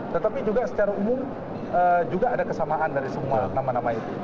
tetapi juga secara umum juga ada kesamaan dari semua nama nama itu